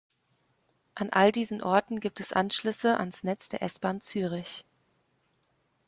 An all diesen Orten gibt es Anschlüsse ans Netz der S-Bahn Zürich.